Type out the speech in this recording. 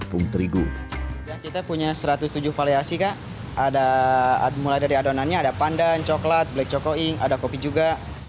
kita punya satu ratus tujuh valiasi mulai dari adonannya ada pandan coklat black choco ink ada kopi juga